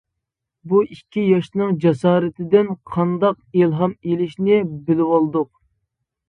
بۇ ئىككى ياشنىڭ جاسارىتىدىن قانداق ئىلھام ئىلىشنى بىلىۋالدۇق.